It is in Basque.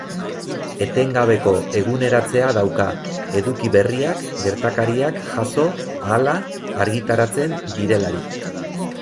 Etengabeko eguneratzea dauka, eduki berriak gertakariak jazo ahala argitaratzen direlarik.